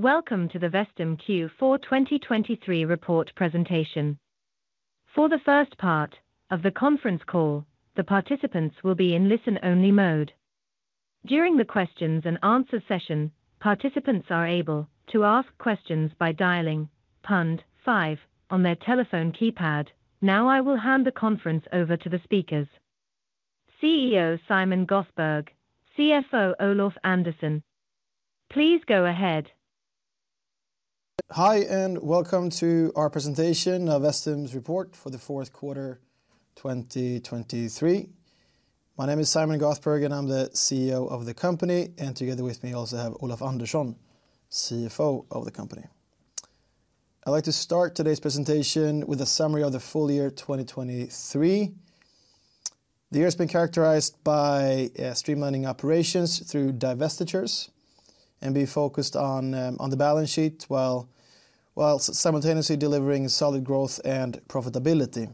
Welcome to the Vestum Q4 2023 report presentation. For the first part of the conference call, the participants will be in listen-only mode. During the questions and answer session, participants are able to ask questions by dialing pound five on their telephone keypad. Now, I will hand the conference over to the speakers. CEO Simon Göthberg, CFO Olof Andersson, please go ahead. Hi, and welcome to our presentation of Vestum's report for the fourth quarter, 2023. My name is Simon Göthberg, and I'm the CEO of the company, and together with me, I also have Olof Andersson, CFO of the company. I'd like to start today's presentation with a summary of the full year 2023. The year has been characterized by streamlining operations through divestitures and being focused on the balance sheet, while simultaneously delivering solid growth and profitability.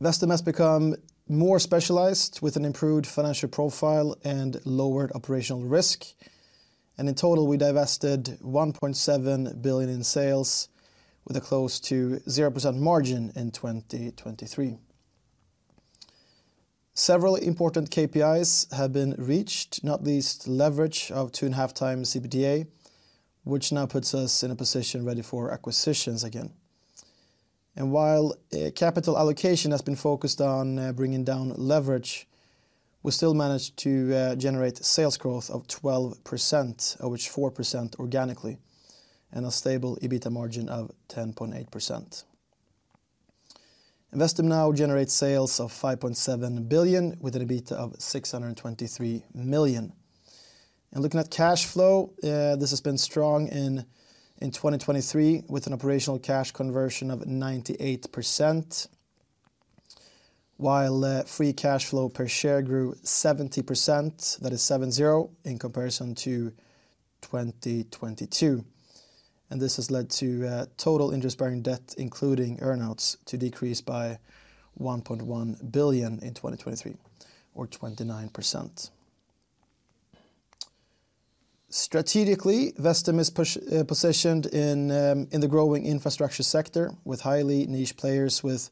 Vestum has become more specialized, with an improved financial profile and lowered operational risk, and in total, we divested 1.7 billion in sales with a close to 0% margin in 2023. Several important KPIs have been reached, not least leverage of 2.5x EBITDA, which now puts us in a position ready for acquisitions again. And while capital allocation has been focused on bringing down leverage, we still managed to generate sales growth of 12%, of which 4% organically, and a stable EBITDA margin of 10.8%. Vestum now generates sales of 5.7 billion, with an EBITDA of 623 million. Looking at cash flow, this has been strong in 2023, with an operational cash conversion of 98%, while free cash flow per share grew 70%, that is 70%, in comparison to 2022. This has led to total interest-bearing debt, including earn-outs, to decrease by 1.1 billion in 2023, or 29%. Strategically, Vestum is positioned in the growing infrastructure sector, with highly niche players with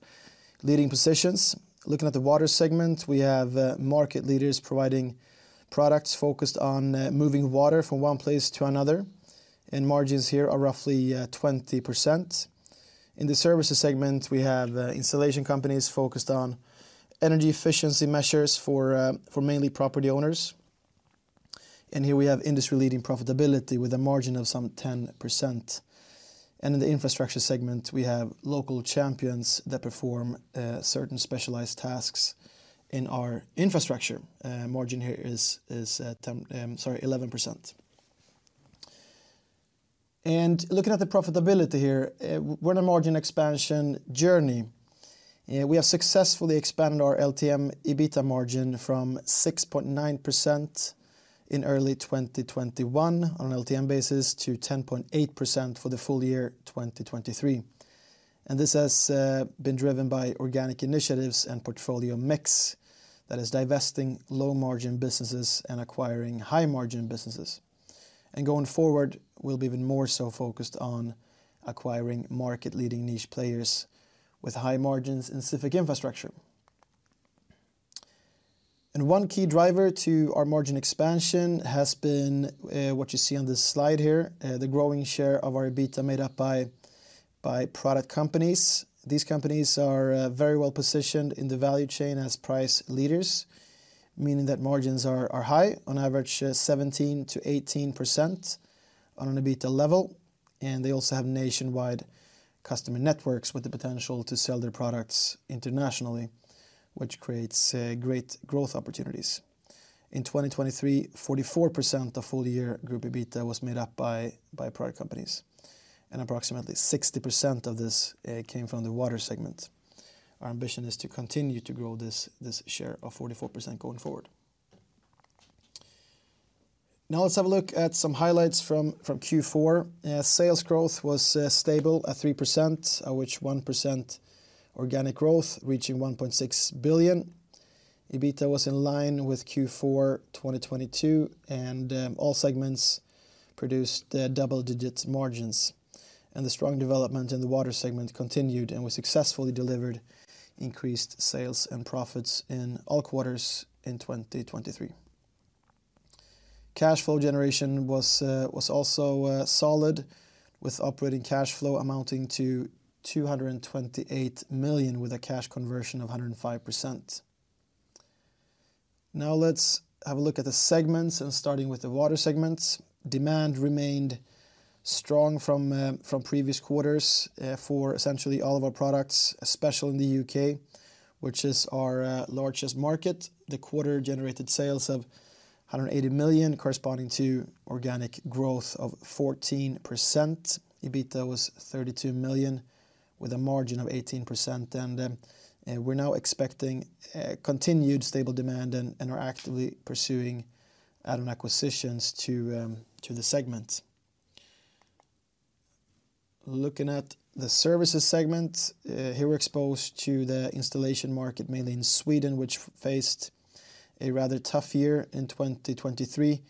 leading positions. Looking at the water segment, we have market leaders providing products focused on moving water from one place to another, and margins here are roughly 20%. In the services segment, we have installation companies focused on energy efficiency measures for mainly property owners, and here we have industry-leading profitability with a margin of some 10%. And in the infrastructure segment, we have local champions that perform certain specialized tasks in our infrastructure. Margin here is ten, sorry, 11%. And looking at the profitability here, we're on a margin expansion journey. We have successfully expanded our LTM EBITDA margin from 6.9% in early 2021 on an LTM basis to 10.8% for the full year 2023. This has been driven by organic initiatives and portfolio mix that is divesting low-margin businesses and acquiring high-margin businesses. Going forward, we'll be even more so focused on acquiring market-leading niche players with high margins in civic infrastructure. One key driver to our margin expansion has been what you see on this slide here, the growing share of our EBITDA made up by product companies. These companies are very well-positioned in the value chain as price leaders, meaning that margins are high, on average, 17%-18% on an EBITDA level, and they also have nationwide customer networks with the potential to sell their products internationally, which creates great growth opportunities. In 2023, 44% of full-year group EBITDA was made up by product companies, and approximately 60% of this came from the water segment. Our ambition is to continue to grow this, this share of 44% going forward. Now let's have a look at some highlights from Q4. Sales growth was stable at 3%, which 1% organic growth, reaching 1.6 billion. EBITDA was in line with Q4 2022, and all segments produced double-digit margins. The strong development in the water segment continued and was successfully delivered, increased sales and profits in all quarters in 2023. Cash flow generation was also solid, with operating cash flow amounting to 228 million, with a cash conversion of 105%. Now let's have a look at the segments, and starting with the water segments. Demand remained strong from previous quarters for essentially all of our products, especially in the U.K., which is our largest market. The quarter generated sales of 180 million, corresponding to organic growth of 14%. EBITDA was 32 million, with a margin of 18%, and we're now expecting continued stable demand and are actively pursuing add-on acquisitions to the segment. Looking at the services segment, here we're exposed to the installation market, mainly in Sweden, which faced a rather tough year in 2023.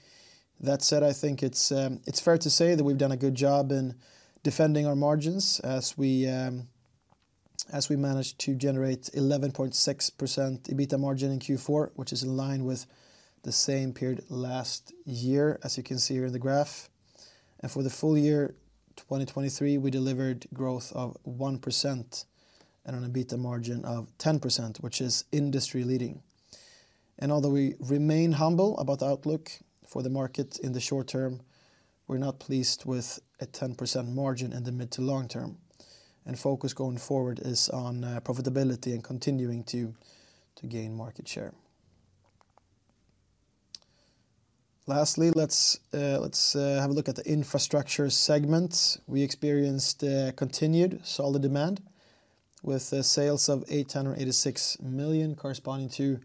That said, I think it's fair to say that we've done a good job in defending our margins as we managed to generate 11.6% EBITDA margin in Q4, which is in line with the same period last year, as you can see here in the graph. For the full year 2023, we delivered growth of 1% and an EBITDA margin of 10%, which is industry leading. Although we remain humble about the outlook for the market in the short term, we're not pleased with a 10% margin in the mid to long term. Focus going forward is on profitability and continuing to gain market share. Lastly, let's have a look at the infrastructure segment. We experienced continued solid demand with sales of 886 million, corresponding to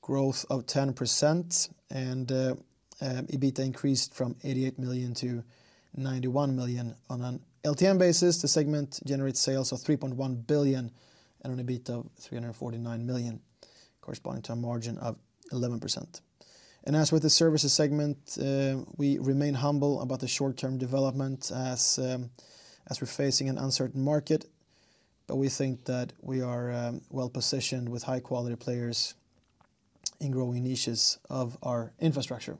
growth of 10% and EBITDA increased from 88 million to 91 million. On an LTM basis, the segment generates sales of 3.1 billion and an EBITDA of 349 million, corresponding to a margin of 11%. As with the services segment, we remain humble about the short-term development as we're facing an uncertain market, but we think that we are well-positioned with high-quality players in growing niches of our infrastructure.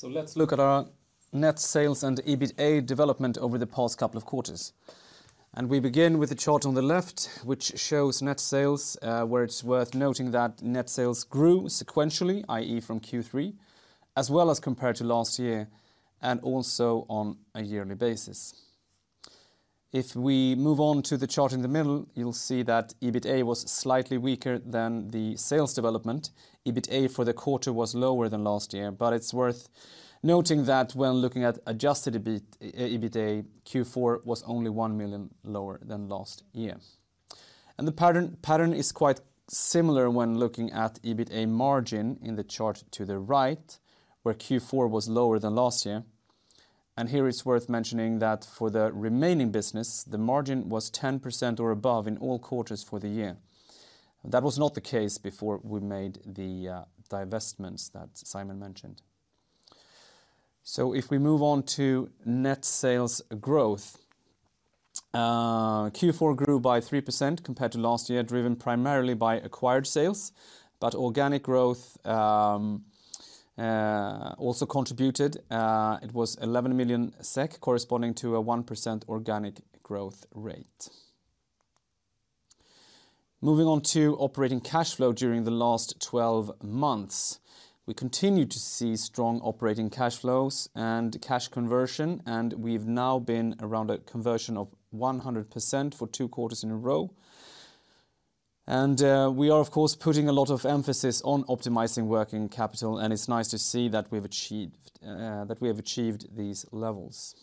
So let's look at our net sales and EBITDA development over the past couple of quarters. And we begin with the chart on the left, which shows net sales, where it's worth noting that net sales grew sequentially, i.e., from Q3, as well as compared to last year, and also on a yearly basis. If we move on to the chart in the middle, you'll see that EBITDA was slightly weaker than the sales development. EBITDA for the quarter was lower than last year, but it's worth noting that when looking at adjusted EBIT, EBITDA, Q4 was only 1 million lower than last year. And the pattern is quite similar when looking at EBITDA margin in the chart to the right, where Q4 was lower than last year. And here it's worth mentioning that for the remaining business, the margin was 10% or above in all quarters for the year. That was not the case before we made the divestments that Simon mentioned. So if we move on to net sales growth, Q4 grew by 3% compared to last year, driven primarily by acquired sales, but organic growth also contributed. It was 11 million SEK, corresponding to a 1% organic growth rate. Moving on to operating cash flow during the last 12 months, we continue to see strong operating cash flows and cash conversion, and we've now been around a conversion of 100% for two quarters in a row. We are, of course, putting a lot of emphasis on optimizing working capital, and it's nice to see that we've achieved that we have achieved these levels.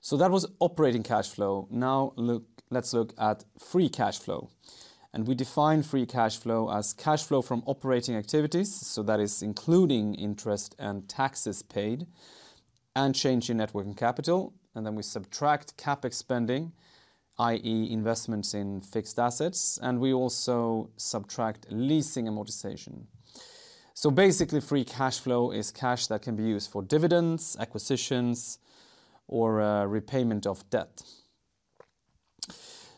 So that was operating cash flow. Now, let's look at free cash flow. And we define free cash flow as cash flow from operating activities, so that is including interest and taxes paid and change in net working capital. And then we subtract CapEx spending, i.e., investments in fixed assets, and we also subtract leasing amortization. So basically, free cash flow is cash that can be used for dividends, acquisitions, or repayment of debt.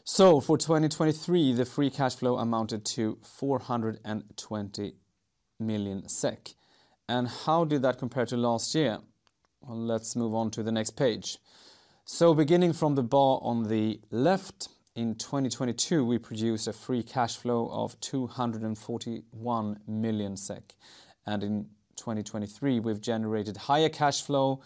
So for 2023, the free cash flow amounted to 420 million SEK. And how did that compare to last year? Well, let's move on to the next page. So beginning from the bar on the left, in 2022, we produced a free cash flow of 241 million SEK, and in 2023, we've generated higher cash flow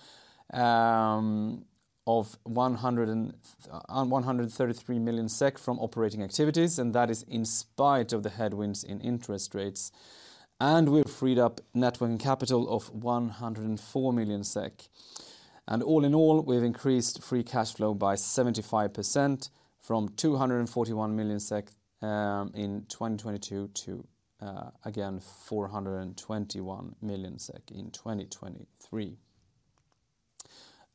of 133 million SEK from operating activities, and that is in spite of the headwinds in interest rates. And we've freed up net working capital of 104 million SEK. And all in all, we've increased free cash flow by 75% from 241 million SEK in 2022 to again, 421 million SEK in 2023.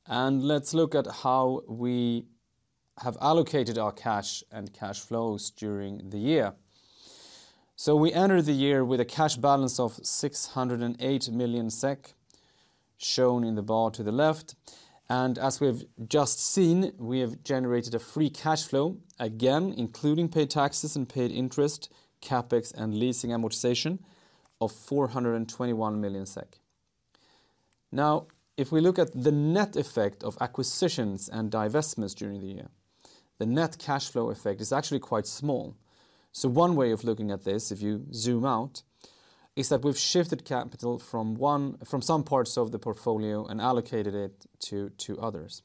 And let's look at how we have allocated our cash and cash flows during the year. So we entered the year with a cash balance of 608 million SEK, shown in the bar to the left. As we have just seen, we have generated a free cash flow, again, including paid taxes and paid interest, CapEx, and leasing amortization of 421 million SEK. Now, if we look at the net effect of acquisitions and divestments during the year, the net cash flow effect is actually quite small. So one way of looking at this, if you zoom out, is that we've shifted capital from some parts of the portfolio and allocated it to others.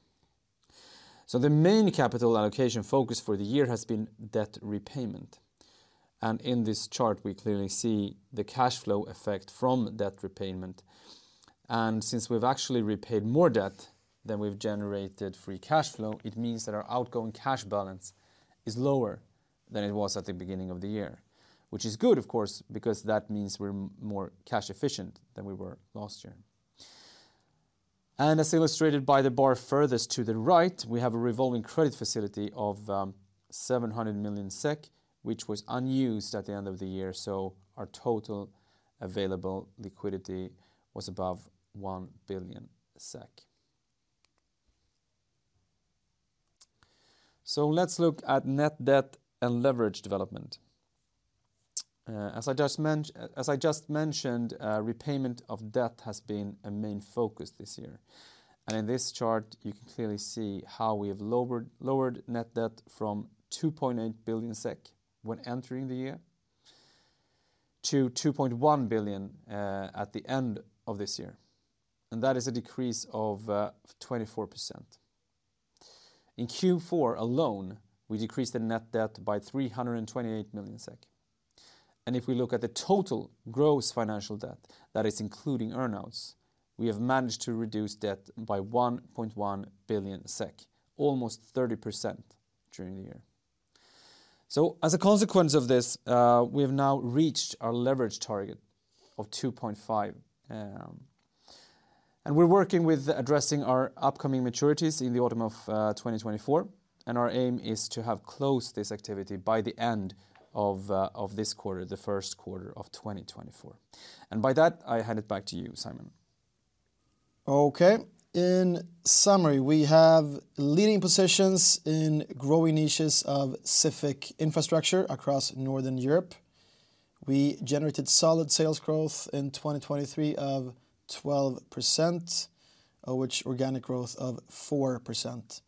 So the main capital allocation focus for the year has been debt repayment. In this chart, we clearly see the cash flow effect from debt repayment. Since we've actually repaid more debt than we've generated free cash flow, it means that our ending cash balance is lower than it was at the beginning of the year. Which is good, of course, because that means we're more cash efficient than we were last year. As illustrated by the bar furthest to the right, we have a revolving credit facility of 700 million SEK, which was unused at the end of the year, so our total available liquidity was above SEK 1 billion. Let's look at net debt and leverage development. As I just mentioned, repayment of debt has been a main focus this year. In this chart, you can clearly see how we have lowered net debt from 2.8 billion SEK when entering the year, to 2.1 billion at the end of this year, and that is a decrease of 24%. In Q4 alone, we decreased the net debt by 328 million SEK. If we look at the total gross financial debt, that is including earn-outs, we have managed to reduce debt by 1.1 billion SEK, almost 30% during the year. So as a consequence of this, we have now reached our leverage target of 2.5. And we're working with addressing our upcoming maturities in the autumn of 2024, and our aim is to have closed this activity by the end of this quarter, the first quarter of 2024. And by that, I hand it back to you, Simon. Okay. In summary, we have leading positions in growing niches of civic infrastructure across Northern Europe. We generated solid sales growth in 2023 of 12%, of which organic growth of 4%,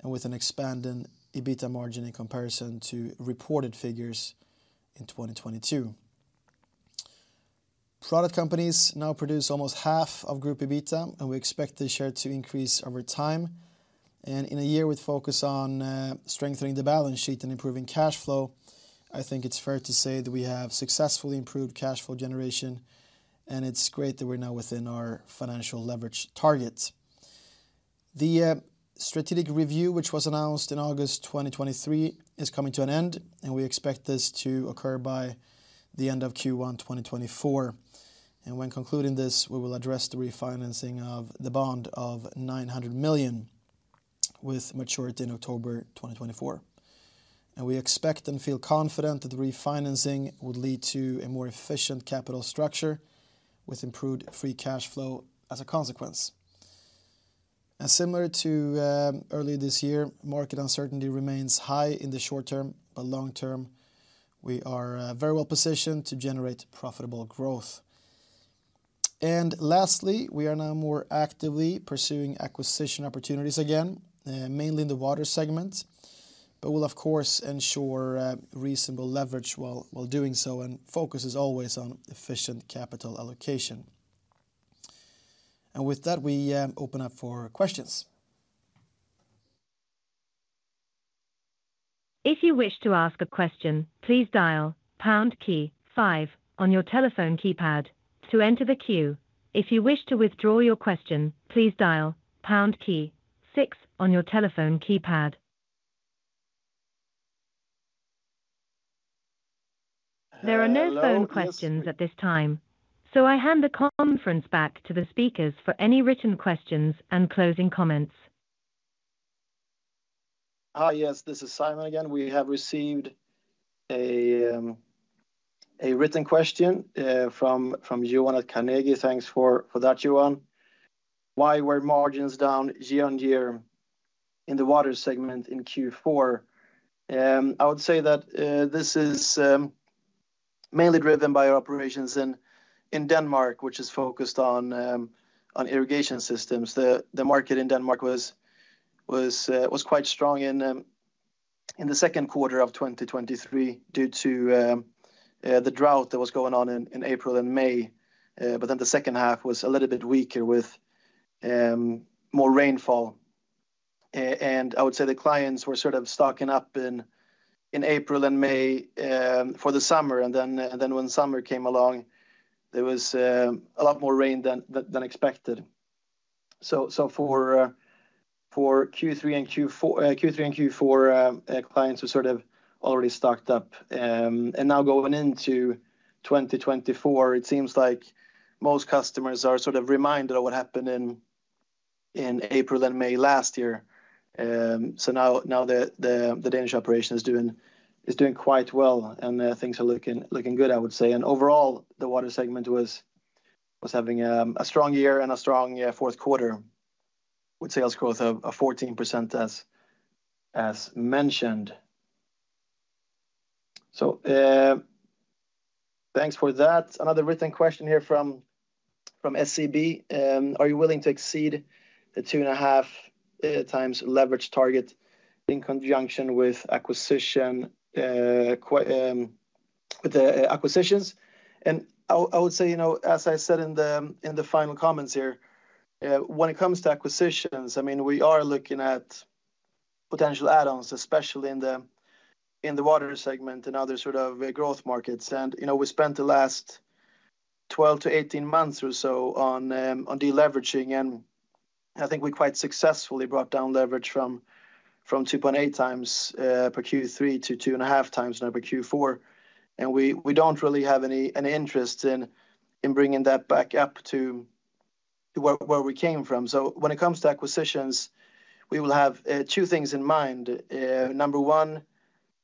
and with an expanding EBITDA margin in comparison to reported figures in 2022. Product companies now produce almost half of group EBITDA, and we expect the share to increase over time. And in a year with focus on strengthening the balance sheet and improving cash flow, I think it's fair to say that we have successfully improved cash flow generation, and it's great that we're now within our financial leverage targets. The strategic review, which was announced in August 2023, is coming to an end, and we expect this to occur by the end of Q1 2024. When concluding this, we will address the refinancing of the bond of 900 million, with maturity in October 2024. We expect and feel confident that the refinancing would lead to a more efficient capital structure, with improved free cash flow as a consequence. Similar to early this year, market uncertainty remains high in the short term, but long term, we are very well positioned to generate profitable growth. Lastly, we are now more actively pursuing acquisition opportunities again, mainly in the water segment, but we'll, of course, ensure reasonable leverage while doing so, and focus is always on efficient capital allocation. With that, we open up for questions. If you wish to ask a question, please dial pound key five on your telephone keypad to enter the queue. If you wish to withdraw your question, please dial pound key six on your telephone keypad. There are no phone questions at this time, so I hand the conference back to the speakers for any written questions and closing comments. Hi, yes, this is Simon again. We have received a written question from Johan at Carnegie. Thanks for that, Johan. Why were margins down year-on-year in the water segment in Q4? I would say that this is mainly driven by our operations in Denmark, which is focused on irrigation systems. The market in Denmark was quite strong in the second quarter of 2023 due to the drought that was going on in April and May, but then the second half was a little bit weaker with more rainfall. And I would say the clients were sort of stocking up in April and May for the summer, and then when summer came along, there was a lot more rain than expected. So for Q3 and Q4, clients were sort of already stocked up. And now going into 2024, it seems like most customers are sort of reminded of what happened in April and May last year. So now the Danish operation is doing quite well, and things are looking good, I would say. And overall, the water segment was having a strong year and a strong fourth quarter, with sales growth of 14%, as mentioned. So thanks for that. Another written question here from SEB: Are you willing to exceed the 2.5x leverage target in conjunction with acquisition with the acquisitions? And I would say, you know, as I said in the final comments here, when it comes to acquisitions, I mean, we are looking at potential add-ons, especially in the water segment and other sort of growth markets. And, you know, we spent the last 12 to 18 months or so on deleveraging, and I think we quite successfully brought down leverage from 2.8x per Q3 to 2.5x now per Q4. And we don't really have any interest in bringing that back up to where we came from. So when it comes to acquisitions, we will have two things in mind. Number one,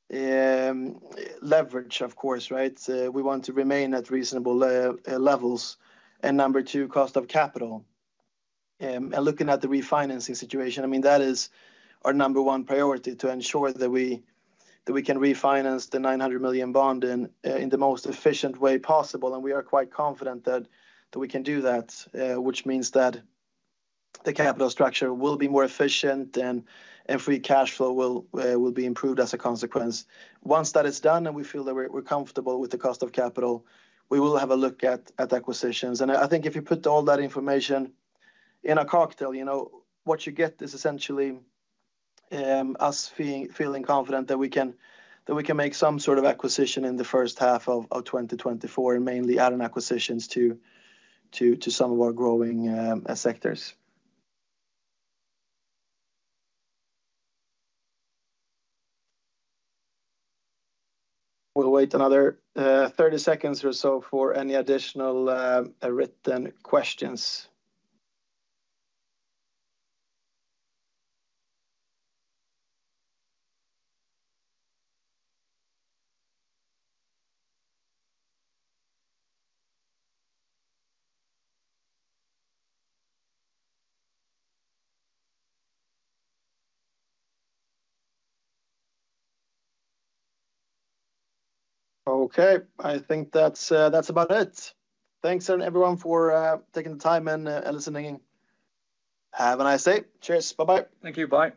leverage, of course, right? We want to remain at reasonable levels. And number two, cost of capital. And looking at the refinancing situation, I mean, that is our number one priority, to ensure that we can refinance the 900 million bond in the most efficient way possible. And we are quite confident that we can do that, which means that the capital structure will be more efficient and free cash flow will be improved as a consequence. Once that is done and we feel that we're comfortable with the cost of capital, we will have a look at acquisitions. And I think if you put all that information in a cocktail, you know, what you get is essentially us feeling confident that we can make some sort of acquisition in the first half of 2024, and mainly add-on acquisitions to some of our growing sectors. We'll wait another 30 seconds or so for any additional written questions. Okay, I think that's about it. Thanks, everyone, for taking the time and listening. Have a nice day. Cheers. Bye-bye. Thank you. Bye.